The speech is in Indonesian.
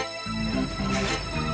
kusir syetan syetan itu